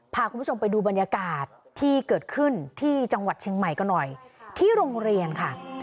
พาคุณผู้ชมไปดูบรรยากาศที่เกิดขึ้นที่จังหวัดเชียงใหม่กันหน่อยที่โรงเรียนค่ะ